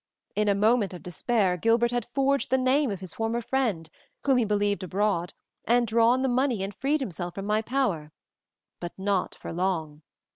In a moment of despair Gilbert had forged the name of his former friend, whom he believed abroad, had drawn the money and freed himself from my power, but not for long.